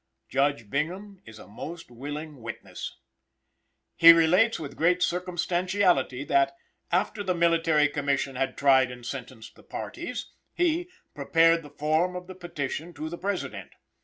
Judge Bingham is a most willing witness. He relates with great circumstantiality that "after the Military Commission had tried and sentenced the parties" he "prepared the form of the petition to the President."